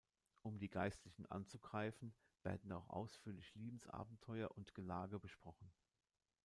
Um die Geistlichen anzugreifen, werden auch ausführlich Liebesabenteuer und Gelage besprochen.